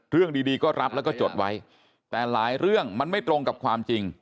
เรื่องดีก็รับแล้วก็จดไว้แต่หลายเรื่องมันไม่ตรงกับความจริง